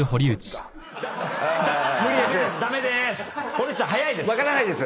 堀内さん早いです。